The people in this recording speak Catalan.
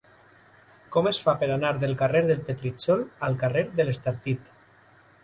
Com es fa per anar del carrer de Petritxol al carrer de l'Estartit?